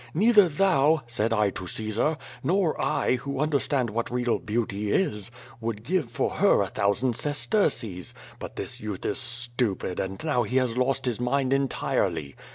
Neither thou," said I to Caesar, "nor I, who understand what real beauty is, would give for her a thousand sesterces, but this youth is stupid, and now he has lost his mind entirely."